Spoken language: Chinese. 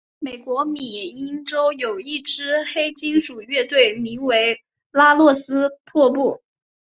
美国缅因洲有一支黑金属乐队名为拉洛斯瀑布。